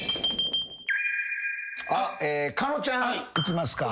狩野ちゃんいきますか。